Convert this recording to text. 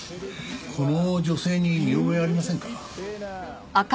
この女性に見覚えありませんか？